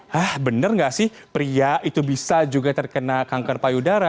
hah benar nggak sih pria itu bisa juga terkena kanker payudara